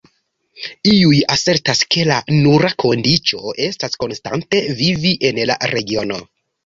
Iuj asertas ke la nura kondiĉo estas konstante vivi en la regiono.